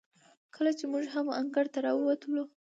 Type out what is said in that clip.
کله چې موږ هم انګړ ته راووتلو،